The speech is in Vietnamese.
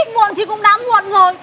muộn thì cũng đáng muộn rồi